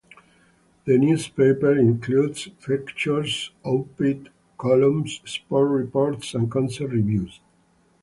The newspaper includes features, op-ed columns, sports reports and concert reviews.